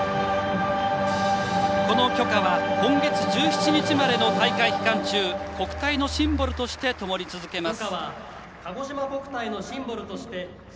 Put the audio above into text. この炬火は今月１７日までの大会期間中かごしま国体のシンボルとしてともり続けます。